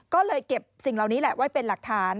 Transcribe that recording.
ก็เลยเก็บสิ่งเหล่านี้แหละไว้เป็นหลักฐาน